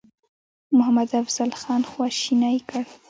محمدافضل خان خواشینی کړ.